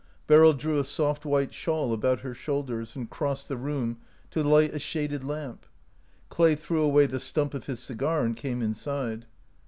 Beryl drew a soft white shawl about her shoulders and crossed the room to light a shaded lamp. Clay threw away the stump of his cigar and came inside.